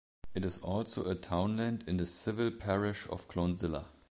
It is also a townland in the civil parish of Clonsilla.